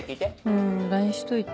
うんＬＩＮＥしといて。